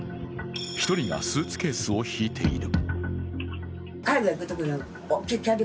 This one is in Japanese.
１人がスーツケースを引いている。